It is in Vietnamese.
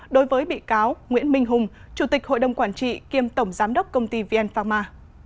đối với bị cáo nguyễn minh hùng chủ tịch hội đồng quản trị kiêm tổng giám đốc công ty vn pharma